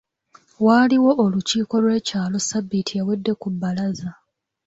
Waaliwo olukiiko lw'ekyalo ssabbiiti ewedde ku bbalaza.